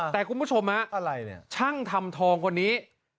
แต่คุณผู้ชมฮะช่างทำทองคนนี้